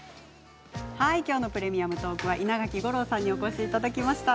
きょうの「プレミアムトーク」は稲垣吾郎さんにお越しいただきました。